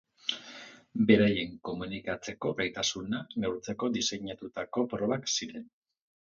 Beraien komunikatzeko gaitasuna neurtzeko diseinatutako probak ziren.